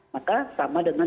maka sama dengan